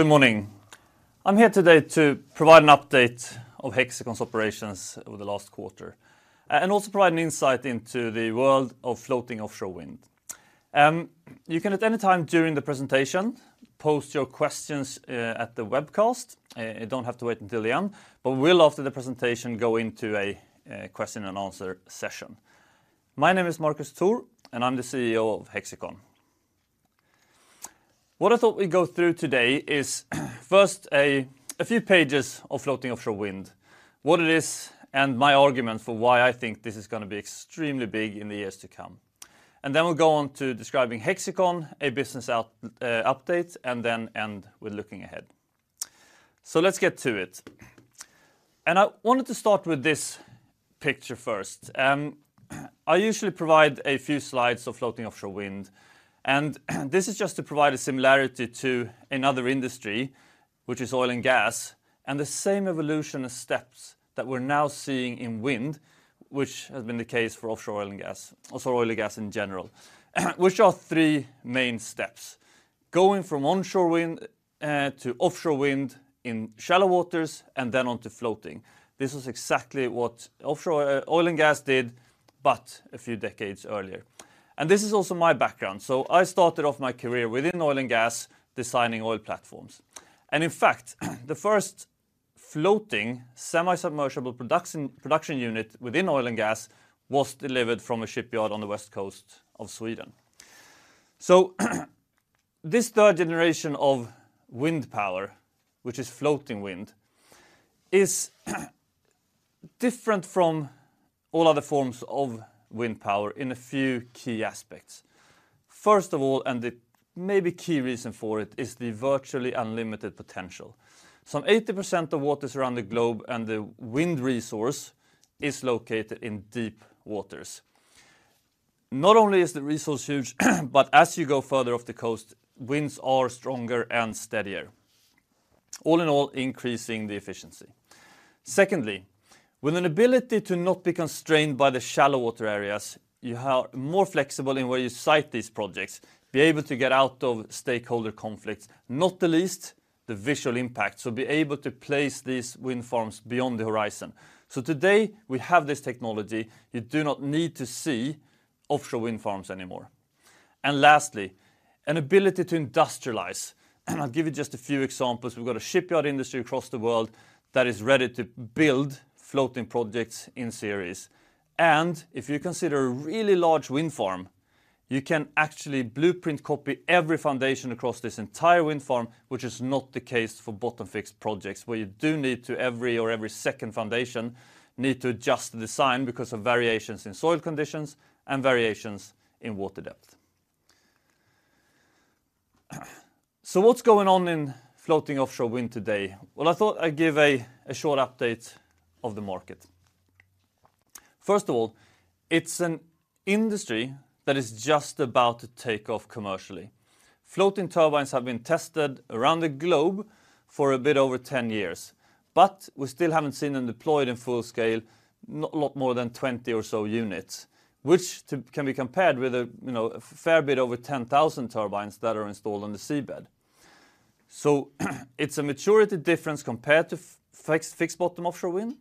Good morning. I'm here today to provide an update of Hexicon's operations over the last quarter, and also provide an insight into the world of floating offshore wind. You can, at any time during the presentation, post your questions at the webcast. You don't have to wait until the end, but we'll, after the presentation, go into a question and answer session. My name is Marcus Thor, and I'm the CEO of Hexicon. What I thought we'd go through today is, first, a few pages of floating offshore wind, what it is, and my argument for why I think this is gonna be extremely big in the years to come. And then we'll go on to describing Hexicon, a business update, and then end with looking ahead. So let's get to it. I wanted to start with this picture first. I usually provide a few slides of floating offshore wind, and this is just to provide a similarity to another industry, which is oil and gas, and the same evolution of steps that we're now seeing in wind, which has been the case for offshore oil and gas, also oil and gas in general, which are three main steps, going from onshore wind to offshore wind in shallow waters, and then on to floating. This is exactly what offshore oil and gas did, but a few decades earlier. This is also my background. I started off my career within oil and gas, designing oil platforms. In fact, the first floating semi-submersible production unit within oil and gas was delivered from a shipyard on the west coast of Sweden. So, this third generation of wind power, which is floating wind, is different from all other forms of wind power in a few key aspects. First of all, and the maybe key reason for it, is the virtually unlimited potential. Some 80% of waters around the globe and the wind resource is located in deep waters. Not only is the resource huge, but as you go further off the coast, winds are stronger and steadier, all in all, increasing the efficiency. Secondly, with an ability to not be constrained by the shallow water areas, you are more flexible in where you site these projects, be able to get out of stakeholder conflicts, not the least, the visual impact, so be able to place these wind farms beyond the horizon. So today, we have this technology. You do not need to see offshore wind farms anymore. Lastly, an ability to industrialize. I'll give you just a few examples. We've got a shipyard industry across the world that is ready to build floating projects in series. If you consider a really large wind farm, you can actually blueprint copy every foundation across this entire wind farm, which is not the case for bottom fixed projects, where you do need to every or every second foundation, need to adjust the design because of variations in soil conditions and variations in water depth. What's going on in floating offshore wind today? Well, I thought I'd give a short update of the market. First of all, it's an industry that is just about to take off commercially. Floating turbines have been tested around the globe for a bit over 10 years, but we still haven't seen them deployed in full scale, not a lot more than 20 or so units, which can be compared with a, you know, a fair bit over 10,000 turbines that are installed on the seabed. So, it's a maturity difference compared to fixed-bottom offshore wind,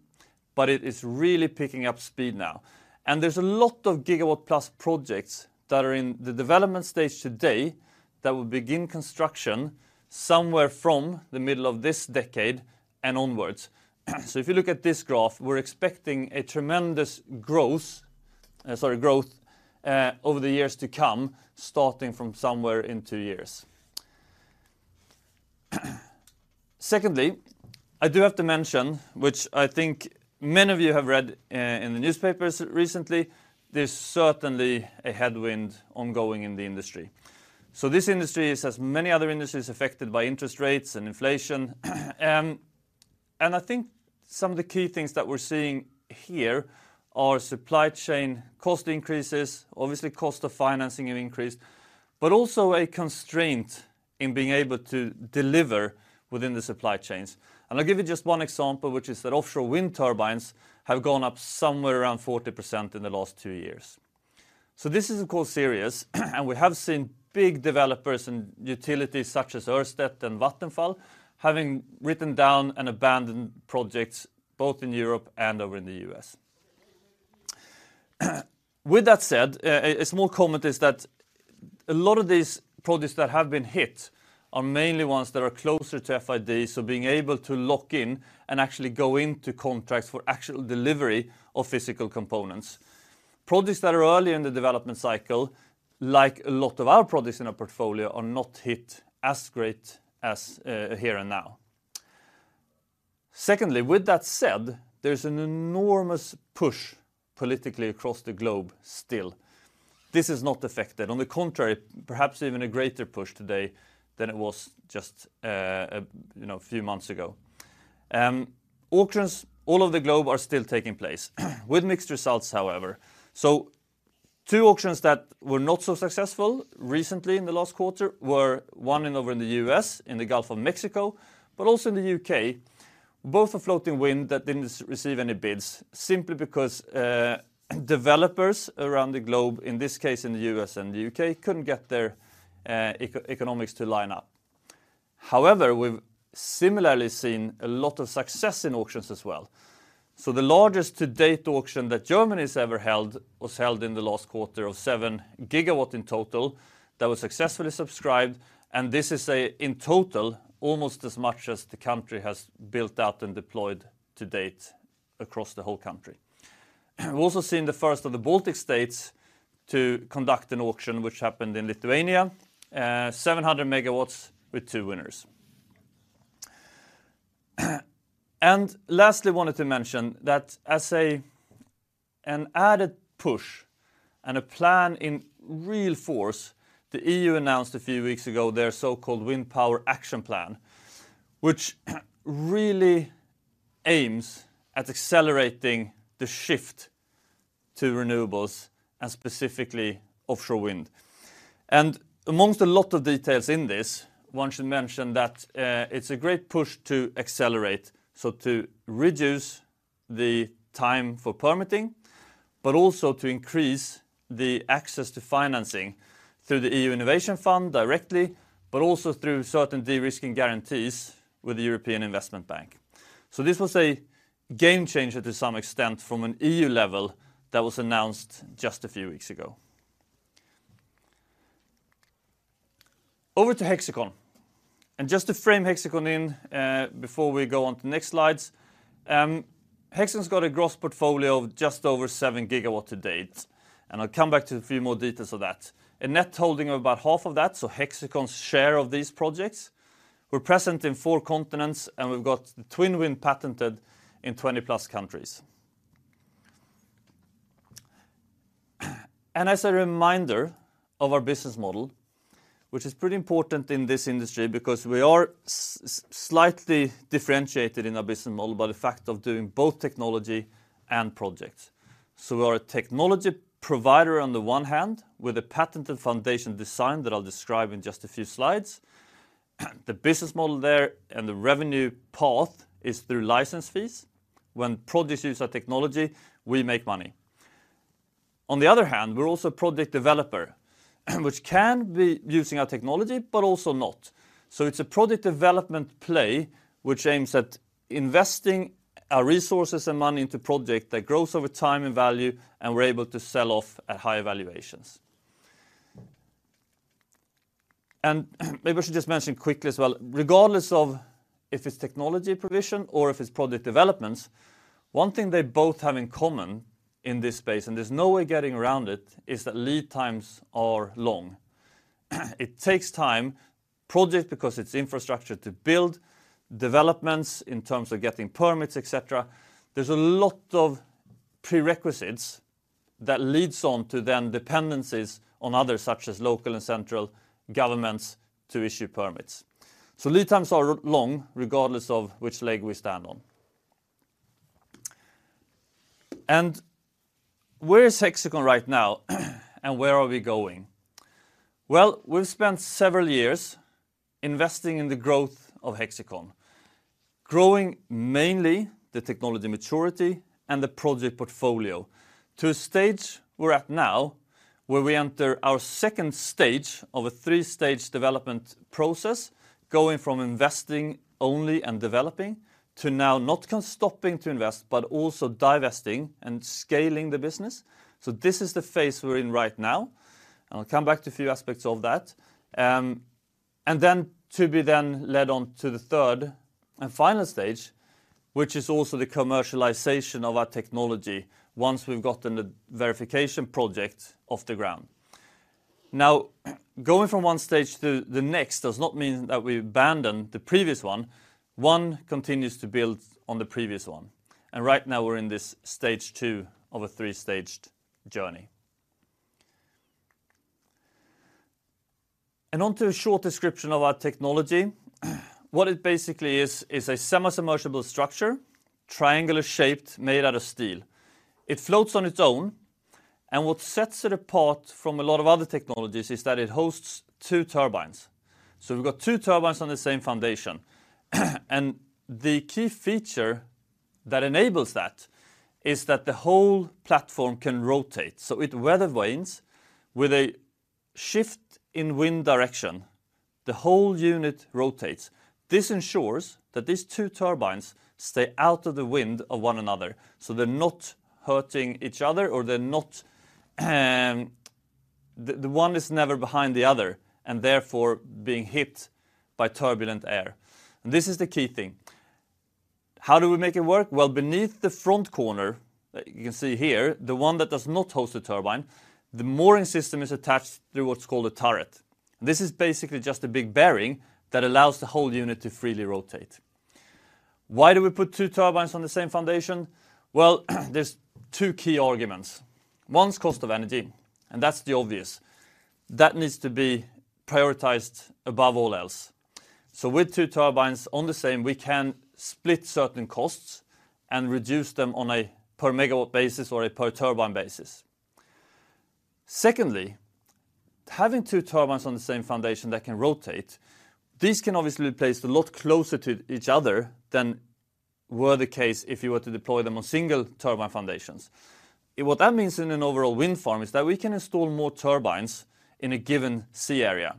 but it is really picking up speed now. And there's a lot of gigawatt-plus projects that are in the development stage today that will begin construction somewhere from the middle of this decade and onwards. So if you look at this graph, we're expecting a tremendous growth over the years to come, starting from somewhere in two years. Secondly, I do have to mention, which I think many of you have read in the newspapers recently, there's certainly a headwind ongoing in the industry. So this industry is, as many other industries, affected by interest rates and inflation. And I think some of the key things that we're seeing here are supply chain cost increases, obviously, cost of financing have increased, but also a constraint in being able to deliver within the supply chains. And I'll give you just one example, which is that offshore wind turbines have gone up somewhere around 40% in the last two years. So this is, of course, serious, and we have seen big developers and utilities such as Ørsted and Vattenfall, having written down and abandoned projects, both in Europe and over in the U.S. With that said, a small comment is that a lot of these projects that have been hit are mainly ones that are closer to FID, so being able to lock in and actually go into contracts for actual delivery of physical components. Projects that are early in the development cycle, like a lot of our projects in our portfolio, are not hit as great as, here and now. Secondly, with that said, there's an enormous push politically across the globe, still. This is not affected. On the contrary, perhaps even a greater push today than it was just, a few months ago. Auctions, all over the globe are still taking place, with mixed results, however. So two auctions that were not so successful recently in the last quarter were one offshore in the U.S., in the Gulf of Mexico, but also in the U.K..Both are floating wind that didn't receive any bids, simply because developers around the globe, in this case, in the U.S. and the U.K., couldn't get their economics to line up. However, we've similarly seen a lot of success in auctions as well. So the largest to-date auction that Germany has ever held was held in the last quarter of 7 GW in total, that was successfully subscribed, and this is a, in total, almost as much as the country has built out and deployed to date across the whole country. We've also seen the first of the Baltic States to conduct an auction, which happened in Lithuania, 700 MW with two winners. And lastly, wanted to mention that as an added push and a plan in real force, the EU announced a few weeks ago, their so-called Wind Power Action Plan, which really aims at accelerating the shift to renewables and specifically offshore wind. And amongst a lot of details in this, one should mention that it's a great push to accelerate, so to reduce the time for permitting, but also to increase the access to financing through the EU Innovation Fund directly, but also through certain de-risking guarantees with the European Investment Bank. So this was a game changer to some extent, from an EU level that was announced just a few weeks ago. Over to Hexicon. Just to frame Hexicon in, before we go on to the next slides, Hexicon's got a gross portfolio of just over 7 GW to date, and I'll come back to a few more details of that. A net holding of about half of that, so Hexicon's share of these projects. We're present in four continents, and we've got TwinWind patented in 20+ countries. As a reminder of our business model, which is pretty important in this industry because we are slightly differentiated in our business model by the fact of doing both technology and projects. So we are a technology provider on the one hand, with a patented foundation design that I'll describe in just a few slides. The business model there and the revenue path is through license fees. When producers use our technology, we make money. On the other hand, we're also a project developer, which can be using our technology, but also not. So it's a project development play, which aims at investing our resources and money into project that grows over time and value, and we're able to sell off at high valuations. Maybe I should just mention quickly as well, regardless of if it's technology provision or if it's project developments, one thing they both have in common in this space, and there's no way getting around it, is that lead times are long. It takes time, project, because it's infrastructure to build, developments in terms of getting permits, et cetera. There's a lot of prerequisites that leads on to then dependencies on others, such as local and central governments to issue permits. So lead times are long, regardless of which leg we stand on. Where is Hexicon right now, and where are we going? Well, we've spent several years investing in the growth of Hexicon. Growing mainly the technology maturity and the project portfolio to a stage we're at now, where we enter our second stage of a three-stage development process, going from investing only and developing, to now not stopping to invest, but also divesting and scaling the business. So this is the phase we're in right now, and I'll come back to a few aspects of that. And then to be then led on to the third and final stage, which is also the commercialization of our technology, once we've gotten the verification project off the ground. Now, going from one stage to the next does not mean that we abandon the previous one. One continues to build on the previous one, and right now we're in this stage two of a three-staged journey. On to a short description of our technology. What it basically is, is a semi-submersible structure, triangular shaped, made out of steel. It floats on its own, and what sets it apart from a lot of other technologies is that it hosts two turbines. We've got two turbines on the same foundation. And the key feature that enables that is that the whole platform can rotate, so it weathervanes. With a shift in wind direction, the whole unit rotates. This ensures that these two turbines stay out of the wind of one another, so they're not hurting each other, or they're not the one is never behind the other, and therefore being hit by turbulent air. This is the key thing. How do we make it work? Well, beneath the front corner, you can see here, the one that does not host the turbine, the mooring system is attached through what's called a turret. This is basically just a big bearing that allows the whole unit to freely rotate. Why do we put two turbines on the same foundation? Well, there's two key arguments. One is cost of energy, and that's the obvious. That needs to be prioritized above all else. So with two turbines on the same, we can split certain costs and reduce them on a per megawatt basis or a per turbine basis. Secondly, having two turbines on the same foundation that can rotate, these can obviously be placed a lot closer to each other than were the case if you were to deploy them on single turbine foundations. What that means in an overall wind farm is that we can install more turbines in a given sea area,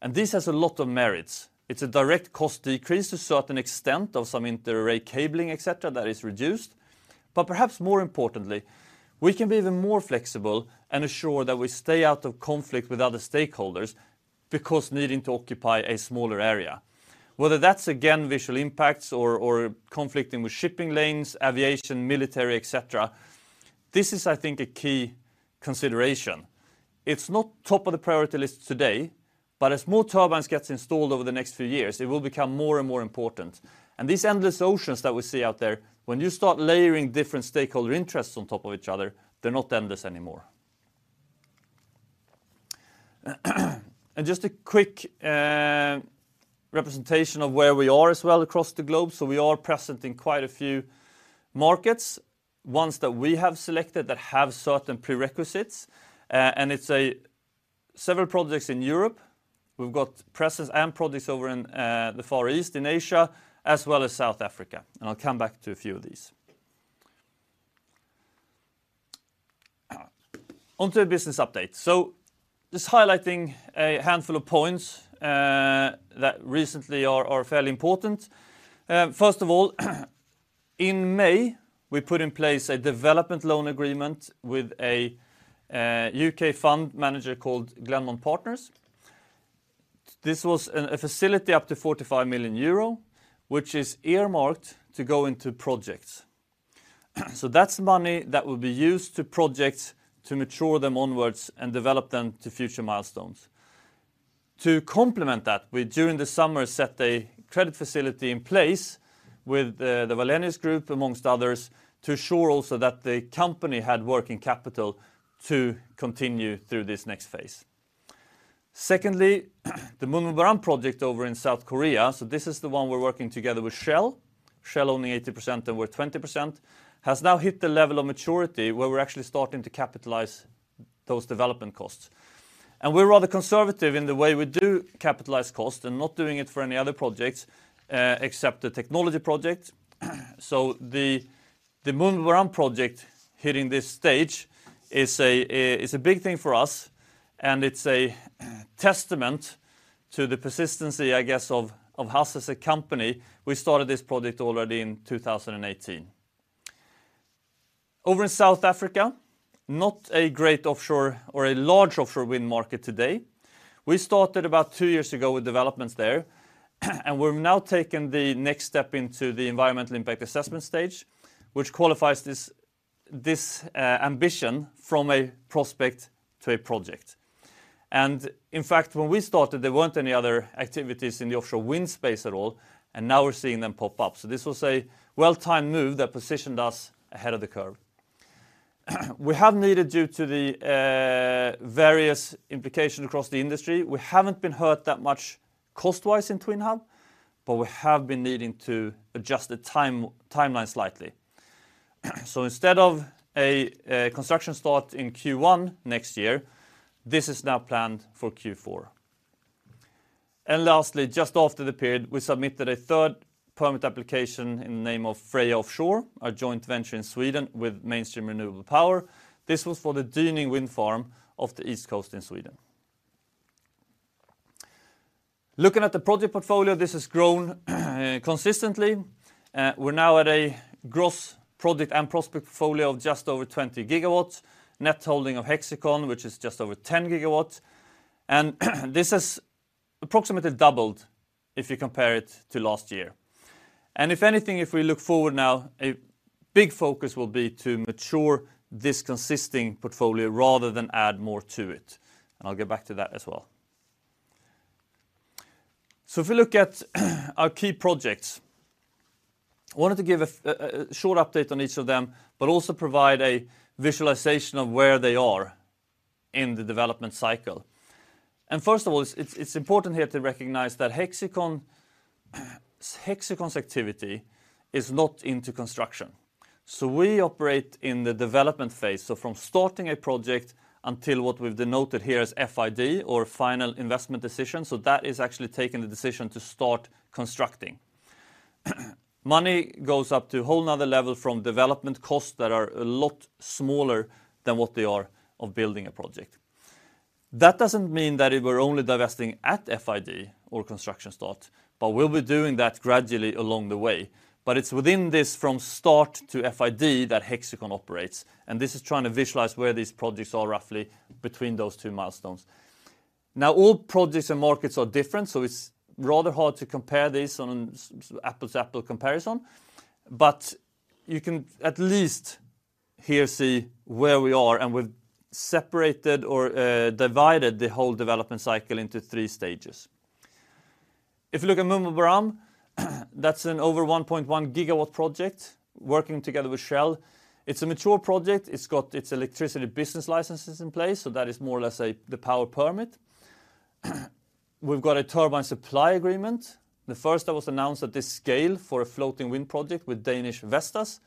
and this has a lot of merits. It's a direct cost decrease to a certain extent of some inter-array cabling, et cetera, that is reduced. Perhaps more importantly, we can be even more flexible and ensure that we stay out of conflict with other stakeholders, because needing to occupy a smaller area. Whether that's, again, visual impacts or, or conflicting with shipping lanes, aviation, military, et cetera, this is, I think, a key consideration. It's not top of the priority list today, but as more turbines gets installed over the next few years, it will become more and more important. And these endless oceans that we see out there, when you start layering different stakeholder interests on top of each other, they're not endless anymore. Just a quick representation of where we are as well across the globe. So we are present in quite a few markets, ones that we have selected that have certain prerequisites, and it's several projects in Europe. We've got presence and projects over in the Far East, in Asia, as well as South Africa, and I'll come back to a few of these. On to the business update. So just highlighting a handful of points that recently are fairly important. First of all, in May, we put in place a development loan agreement with a UK fund manager called Glennmont Partners. This was a facility up to 45 million euro, which is earmarked to go into projects. So that's money that will be used to projects to mature them onwards and develop them to future milestones. To complement that, we, during the summer, set a credit facility in place with the Wallenius Group, among others, to ensure also that the company had working capital to continue through this next phase. Secondly, the MunmuBaram project over in South Korea, so this is the one we're working together with Shell. Shell owning 80% and we're 20%, has now hit the level of maturity where we're actually starting to capitalize those development costs. And we're rather conservative in the way we do capitalize costs and not doing it for any other projects, except the technology project. So the MunmuBaram project hitting this stage is a big thing for us, and it's a testament to the persistency, I guess, of us as a company. We started this project already in 2018. Over in South Africa, not a great offshore or a large offshore wind market today. We started about two years ago with developments there, and we've now taken the next step into the environmental impact assessment stage, which qualifies this, this, ambition from a prospect to a project. And in fact, when we started, there weren't any other activities in the offshore wind space at all, and now we're seeing them pop up. So this was a well-timed move that positioned us ahead of the curve. We have needed, due to the, various implications across the industry, we haven't been hurt that much cost-wise in TwinHub, but we have been needing to adjust the timeline slightly. So instead of a construction start in Q1 next year, this is now planned for Q4. And lastly, just after the period, we submitted a third permit application in the name of Freja Offshore, our joint venture in Sweden with Mainstream Renewable Power. This was for the Dyning wind farm off the east coast in Sweden. Looking at the project portfolio, this has grown consistently. We're now at a gross project and prospect portfolio of just over 20 GW, net holding of Hexicon, which is just over 10 GW. And, this has approximately doubled if you compare it to last year. And if anything, if we look forward now, a big focus will be to mature this consisting portfolio rather than add more to it, and I'll get back to that as well. So if we look at our key projects, I wanted to give a short update on each of them, but also provide a visualization of where they are in the development cycle. First of all, it's important here to recognize that Hexicon's activity is not into construction. So we operate in the development phase, so from starting a project until what we've denoted here as FID or final investment decision, so that is actually taking the decision to start constructing. Money goes up to a whole another level from development costs that are a lot smaller than what they are of building a project. That doesn't mean that we're only divesting at FID or construction start, but we'll be doing that gradually along the way. But it's within this from start to FID that Hexicon operates, and this is trying to visualize where these projects are roughly between those two milestones. Now, all projects and markets are different, so it's rather hard to compare this on an apples-to-apple comparison, but you can at least here see where we are, and we've separated or divided the whole development cycle into three stages. If you look at MunmuBaram, that's an over 1.1 GW project working together with Shell. It's a mature project. It's got its electricity business licenses in place, so that is more or less the power permit. We've got a turbine supply agreement, the first that was announced at this scale for a floating wind project with Danish Vestas,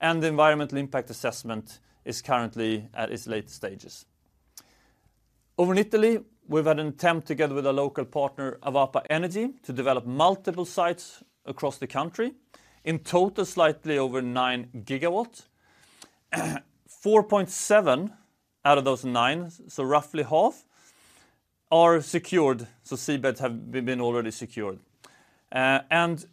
and the environmental impact assessment is currently at its late stages. Over in Italy, we've had an attempt, together with a local partner, Avapa Energy, to develop multiple sites across the country. In total, slightly over 9 GW. 4.7 GW out of those 9 GW, so roughly half, are secured, so seabeds have been already secured. And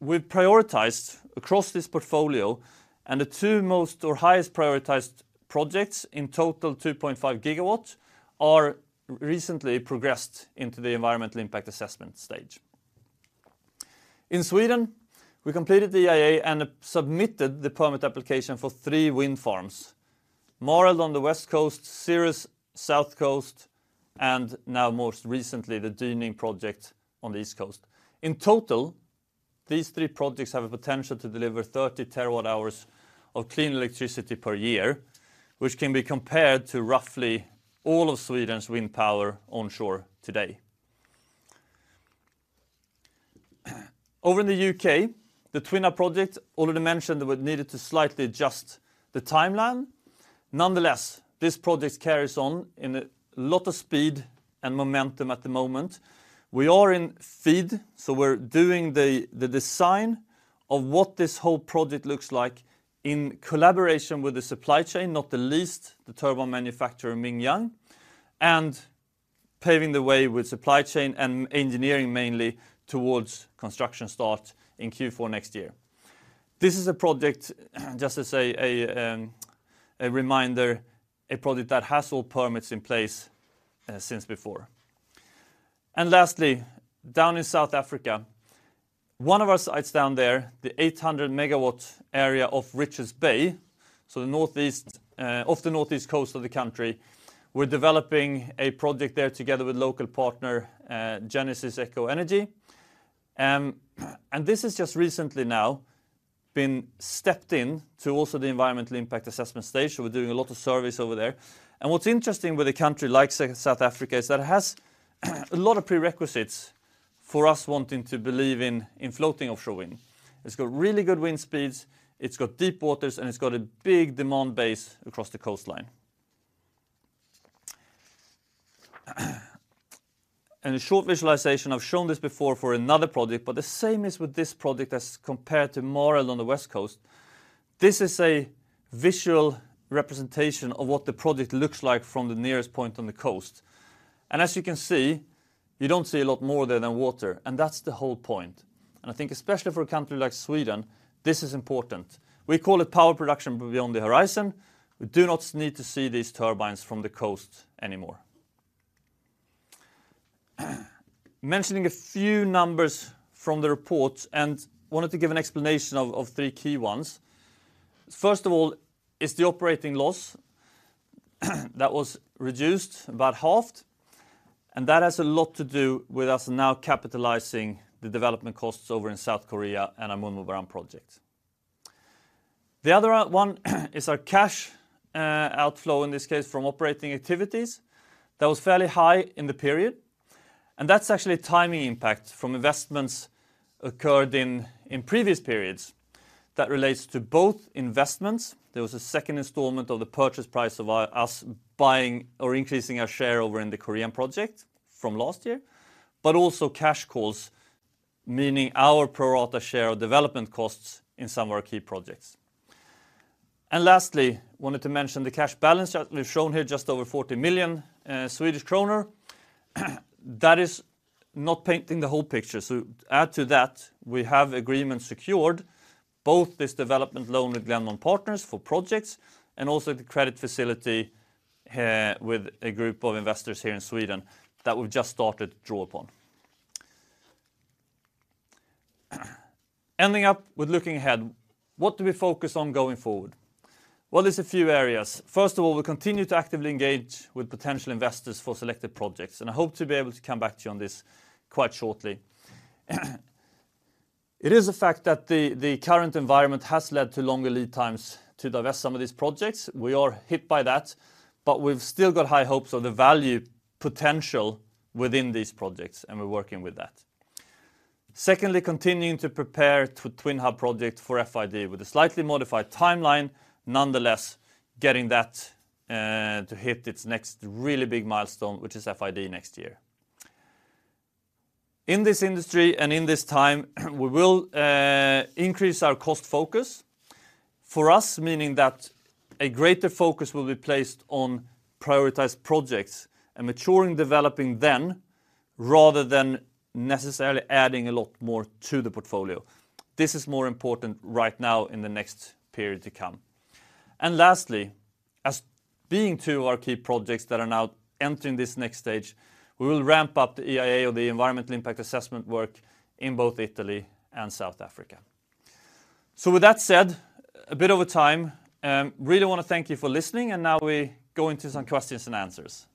we've prioritized across this portfolio, and the two most or highest prioritized projects, in total 2.5 GW, are recently progressed into the environmental impact assessment stage. In Sweden, we completed the EIA and submitted the permit application for three wind farms: Mareld on the west coast, Cirrus, south coast, and now most recently, the Dyning project on the east coast. In total, these three projects have a potential to deliver 30 TWh of clean electricity per year, which can be compared to roughly all of Sweden's wind power onshore today. Over in the UK, the TwinHub project, already mentioned that we needed to slightly adjust the timeline. Nonetheless, this project carries on in a lot of speed and momentum at the moment. We are in FEED, so we're doing the design of what this whole project looks like in collaboration with the supply chain, not the least, the turbine manufacturer, Mingyang, and paving the way with supply chain and engineering, mainly towards construction start in Q4 next year. This is a project, just to say, a reminder, a project that has all permits in place since before. And lastly, down in South Africa, one of our sites down there, the 800 MW area of Richards Bay, so the northeast off the northeast coast of the country, we're developing a project there together with local partner, Genesis Eco-Energy. This has just recently now been stepped into also the environmental impact assessment stage, so we're doing a lot of surveys over there. What's interesting with a country like South Africa is that it has a lot of prerequisites for us wanting to believe in floating offshore wind. It's got really good wind speeds, it's got deep waters, and it's got a big demand base across the coastline. A short visualization, I've shown this before for another project, but the same is with this project as compared to Mareld on the West Coast. This is a visual representation of what the project looks like from the nearest point on the coast. As you can see, you don't see a lot more there than water, and that's the whole point. I think especially for a country like Sweden, this is important. We call it power production beyond the horizon. We do not need to see these turbines from the coast anymore. Mentioning a few numbers from the report, and wanted to give an explanation of three key ones. First of all, is the operating loss, that was reduced, about halved, and that has a lot to do with us now capitalizing the development costs over in South Korea and our MunmuBaram project. The other one, is our cash outflow, in this case, from operating activities. That was fairly high in the period, and that's actually timing impact from investments occurred in previous periods that relates to both investments. There was a second installment of the purchase price of us buying or increasing our share over in the Korean project from last year, but also cash calls, meaning our pro rata share of development costs in some of our key projects. And lastly, wanted to mention the cash balance that we've shown here, just over 40 million Swedish kronor. That is not painting the whole picture, so add to that, we have agreement secured, both this development loan with Glennmont Partners for projects, and also the credit facility with a group of investors here in Sweden that we've just started to draw upon. Ending up with looking ahead, what do we focus on going forward? Well, there's a few areas. First of all, we continue to actively engage with potential investors for selected projects, and I hope to be able to come back to you on this quite shortly. It is a fact that the current environment has led to longer lead times to divest some of these projects. We are hit by that, but we've still got high hopes of the value potential within these projects, and we're working with that. Secondly, continuing to prepare the TwinHub project for FID with a slightly modified timeline. Nonetheless, getting that to hit its next really big milestone, which is FID, next year. In this industry and in this time, we will increase our cost focus. For us, meaning that a greater focus will be placed on prioritized projects and maturing, developing them, rather than necessarily adding a lot more to the portfolio. This is more important right now in the next period to come. Lastly, as being two of our key projects that are now entering this next stage, we will ramp up the EIA, or the Environmental Impact Assessment, work in both Italy and South Africa. With that said, a bit over time, really want to thank you for listening. And now we go into some questions and answers. ...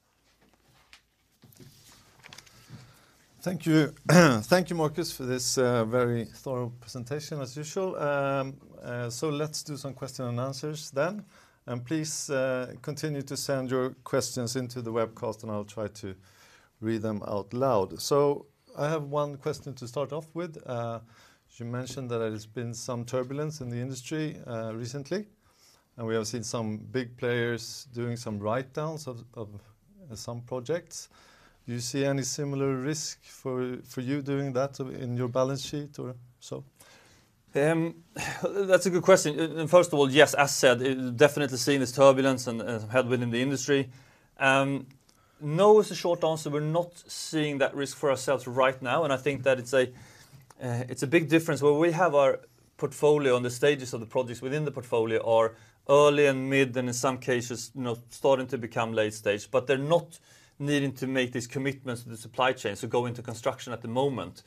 Thank you. Thank you, Marcus, for this very thorough presentation, as usual. So let's do some question and answers then. Please continue to send your questions into the webcast, and I'll try to read them out loud. So I have one question to start off with. You mentioned that there's been some turbulence in the industry recently, and we have seen some big players doing some write-downs of some projects. Do you see any similar risk for you doing that in your balance sheet, or so? That's a good question. And first of all, yes, as said, it definitely seeing this turbulence and had within the industry. No, is the short answer. We're not seeing that risk for ourselves right now, and I think that it's a, it's a big difference, where we have our portfolio and the stages of the projects within the portfolio are early and mid, and in some cases, you know, starting to become late stage, but they're not needing to make these commitments to the supply chain to go into construction at the moment.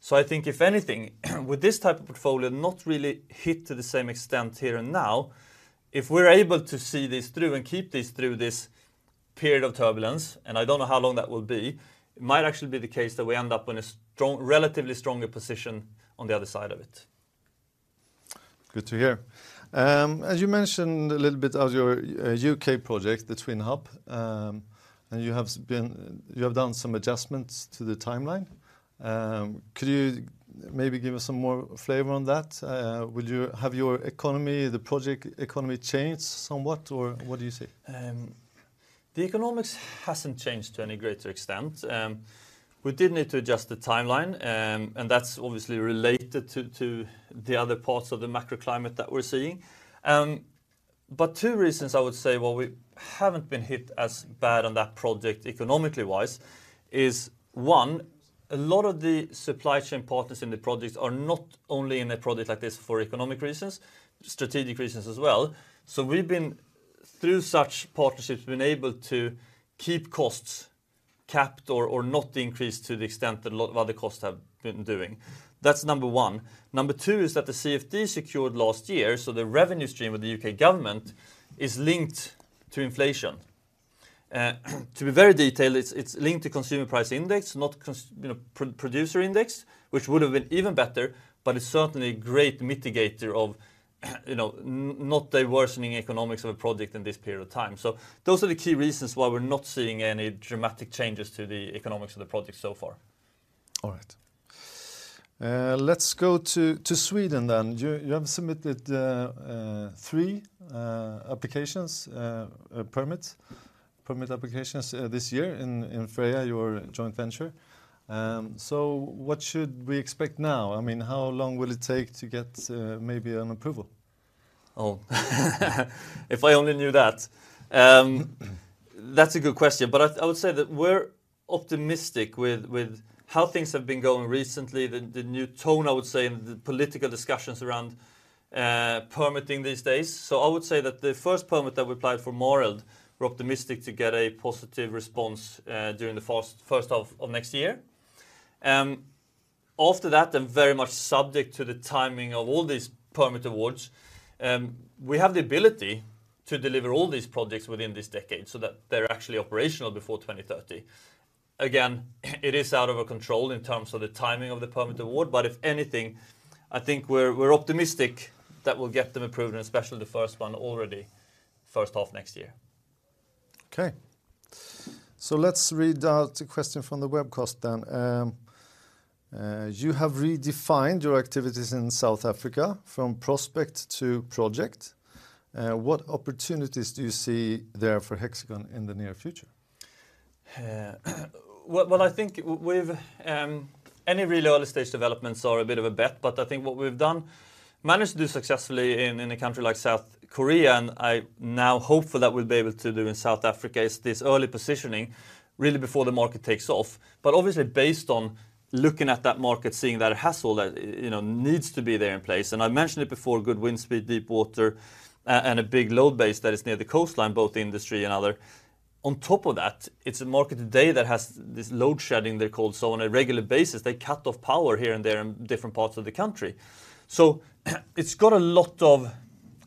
So I think, if anything, with this type of portfolio, not really hit to the same extent here and now. If we're able to see this through and keep this through this period of turbulence, and I don't know how long that will be, it might actually be the case that we end up in a strong, relatively stronger position on the other side of it. Good to hear. As you mentioned a little bit of your UK project, the TwinHub, and you have done some adjustments to the timeline. Could you maybe give us some more flavor on that? Would you have your economy, the project economy, changed somewhat, or what do you see? The economics hasn't changed to any greater extent. We did need to adjust the timeline, and that's obviously related to the other parts of the macroclimate that we're seeing. But two reasons I would say, well, we haven't been hit as bad on that project, economically wise, is, one, a lot of the supply chain partners in the project are not only in a project like this for economic reasons, strategic reasons as well. So we've been, through such partnerships, we've been able to keep costs capped or not increased to the extent that a lot of other costs have been doing. That's number one. Number two is that the CFD secured last year, so the revenue stream with the UK government, is linked to inflation. To be very detailed, it's linked to consumer price index, not, you know, producer index, which would have been even better, but it's certainly a great mitigator of, you know, not the worsening economics of a project in this period of time. So those are the key reasons why we're not seeing any dramatic changes to the economics of the project so far. All right. Let's go to Sweden, then. You have submitted three applications, permits, permit applications, this year in Freja, your joint venture. So what should we expect now? I mean, how long will it take to get maybe an approval? Oh, if I only knew that. That's a good question, but I would say that we're optimistic with how things have been going recently, the new tone, I would say, in the political discussions around permitting these days. So I would say that the first permit that we applied for Mareld, we're optimistic to get a positive response during the first half of next year. After that, I'm very much subject to the timing of all these permit awards. We have the ability to deliver all these projects within this decade so that they're actually operational before 2030. Again, it is out of our control in terms of the timing of the permit award, but if anything, I think we're optimistic that we'll get them approved, and especially the first one already, first half next year. Okay. So let's read out a question from the webcast then. You have redefined your activities in South Africa from prospect to project. What opportunities do you see there for Hexicon in the near future? Well, I think we've... Any really early stage developments are a bit of a bet, but I think what we've done, managed to do successfully in a country like South Korea, and I now hopeful that we'll be able to do in South Africa, is this early positioning, really before the market takes off. But obviously, based on looking at that market, seeing that it has all that, you know, needs to be there in place. And I mentioned it before, good wind speed, deep water, and a big load base that is near the coastline, both industry and other. On top of that, it's a market today that has this load shedding, they're called, so on a regular basis, they cut off power here and there in different parts of the country. So, it's got a lot of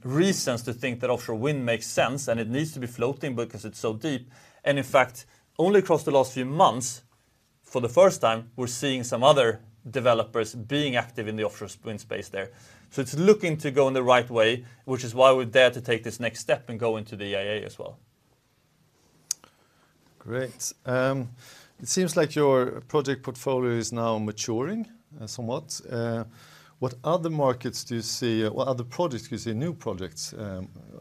reasons to think that offshore wind makes sense, and it needs to be floating because it's so deep. And in fact, only across the last few months, for the first time, we're seeing some other developers being active in the offshore wind space there. So it's looking to go in the right way, which is why we're there to take this next step and go into the EIA as well. Great. It seems like your project portfolio is now maturing, somewhat. What other markets do you see or what other projects do you see, new projects,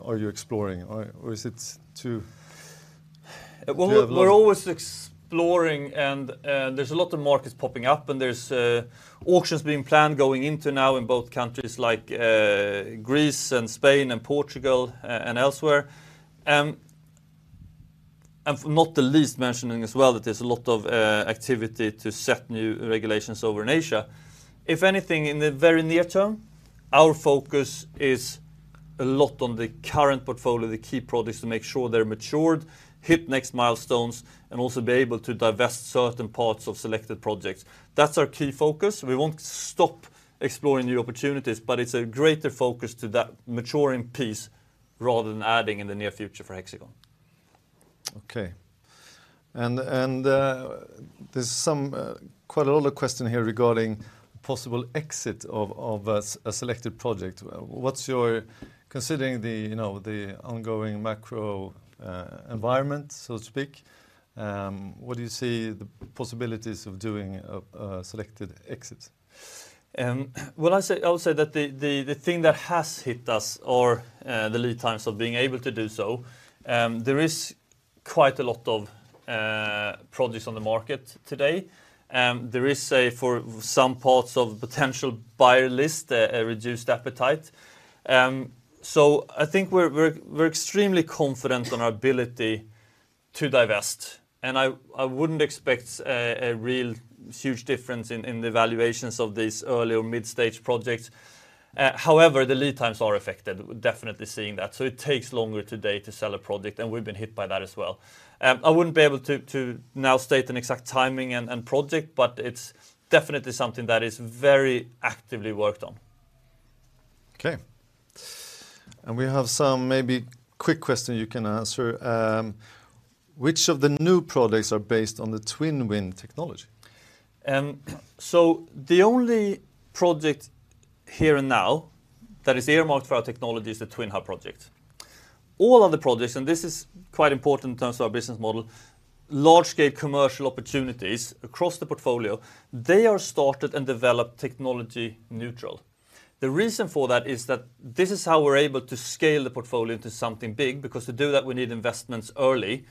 are you exploring, or, or is it too... Well, we're always exploring and, there's a lot of markets popping up, and there's auctions being planned going into now in both countries like, Greece and Spain and Portugal, and elsewhere. And not the least mentioning as well, that there's a lot of activity to set new regulations over in Asia. If anything, in the very near term, our focus is a lot on the current portfolio, the key projects, to make sure they're matured, hit next milestones, and also be able to divest certain parts of selected projects. That's our key focus. We won't stop exploring new opportunities, but it's a greater focus to that maturing piece rather than adding in the near future for Hexicon.... Okay. And there's some quite a lot of question here regarding possible exit of a selected project. What's your—considering the, you know, the ongoing macro environment, so to speak, what do you see the possibilities of doing a selected exit? Well, I would say that the thing that has hit us or the lead times of being able to do so. There is quite a lot of projects on the market today. There is, say, for some parts of potential buyer list, a reduced appetite. So I think we're extremely confident on our ability to divest, and I wouldn't expect a real huge difference in the valuations of these early or mid-stage projects. However, the lead times are affected. We're definitely seeing that. So it takes longer today to sell a project, and we've been hit by that as well. I wouldn't be able to now state an exact timing and project, but it's definitely something that is very actively worked on. Okay. We have some maybe quick question you can answer. Which of the new projects are based on the TwinWind technology? So the only project here and now that is earmarked for our technology is the TwinHub project. All other projects, and this is quite important in terms of our business model, large-scale commercial opportunities across the portfolio, they are started and developed technology neutral. The reason for that is that this is how we're able to scale the portfolio into something big, because to do that, we need investments early,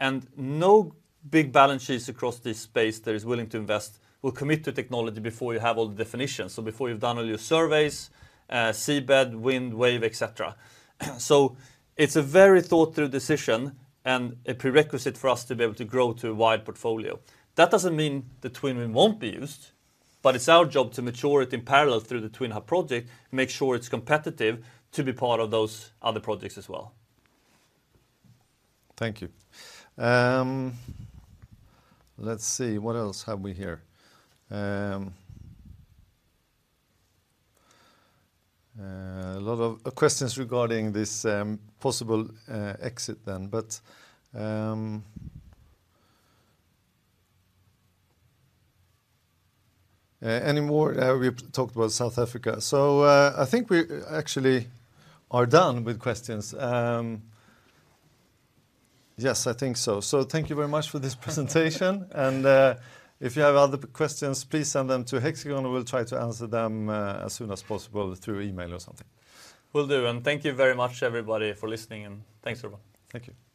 and no big balance sheets across this space that is willing to invest, will commit to technology before you have all the definitions. So before you've done all your surveys, seabed, wind, wave, et cetera. So it's a very thought-through decision and a prerequisite for us to be able to grow to a wide portfolio. That doesn't mean the TwinWind won't be used, but it's our job to mature it in parallel through the TwinHub project, make sure it's competitive to be part of those other projects as well. Thank you. Let's see, what else have we here? A lot of questions regarding this possible exit then, but... Any more, we talked about South Africa. So, I think we actually are done with questions. Yes, I think so. So thank you very much for this presentation, and, if you have other questions, please send them to Hexicon, and we'll try to answer them as soon as possible through email or something. Will do. Thank you very much, everybody, for listening, and thanks, everyone. Thank you.